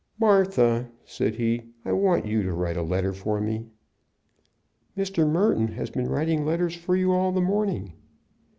"Martha," said he, "I want you to write a letter for me." "Mr. Merton has been writing letters for you all the morning."